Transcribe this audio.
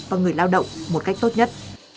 và người lao động một cách tốt nhất